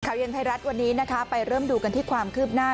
เย็นไทยรัฐวันนี้นะคะไปเริ่มดูกันที่ความคืบหน้า